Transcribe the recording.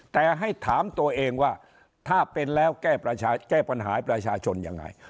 แต่ให้ถามตัวเองว่าถ้าเป็นแล้วแก้ปัญหาให้ประชาชนยังไง